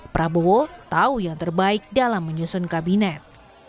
prabowo tahu yang terbaik dalam menyusun kabinet